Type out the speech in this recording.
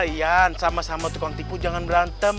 yan sama sama tukang tipu jangan berantem